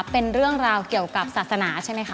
เป็นเรื่องราวเกี่ยวกับศาสนาใช่ไหมคะ